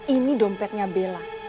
ini dompetnya bella